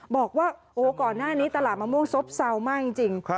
บอกว่าโอ้ก่อนหน้านี้ตลาดมะม่วงซบเศร้ามากจริง